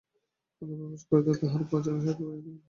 অন্তঃপুরে প্রবেশ করিতে তাহার পা যেন সরিতে চাহিল না।